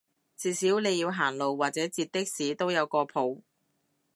至少你要行路或者截的士都有個譜